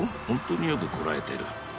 ほんとによくこらえてる。